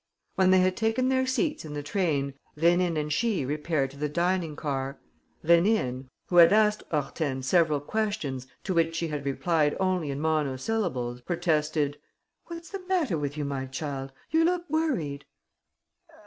When they had taken their seats in the train, Rénine and she repaired to the dining car. Rénine, who had asked Hortense several questions to which she had replied only in monosyllables, protested: "What's the matter with you, my child? You look worried!"